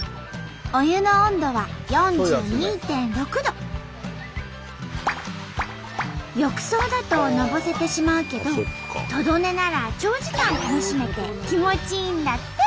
お湯の浴槽だとのぼせてしまうけどトド寝なら長時間楽しめて気持ちいいんだって！